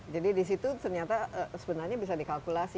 jadi di situ sebenarnya bisa dikalkulasi